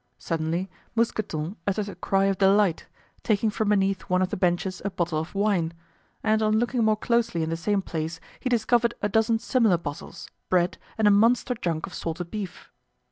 Suddenly Mousqueton uttered a cry of delight, taking from beneath one of the benches a bottle of wine; and on looking more closely in the same place he discovered a dozen similar bottles, bread, and a monster junk of salted beef.